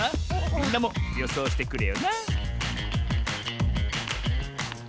みんなもよそうしてくれよな